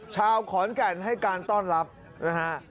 ชาวขอนแก่นให้การต้อนรับนะฮะ